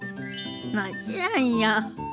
もちろんよ。